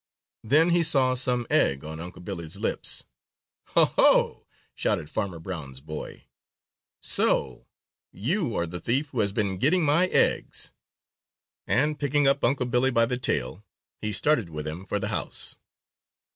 Then he saw some egg on Unc' Billy's lips. "Ho! ho!" shouted Farmer Brown's boy. "So you are the thief who has been getting my eggs!" And picking up Unc' Billy by the tail, he started with him for the house.